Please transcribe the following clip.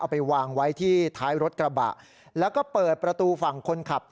ไปวางไว้ที่ท้ายรถกระบะแล้วก็เปิดประตูฝั่งคนขับ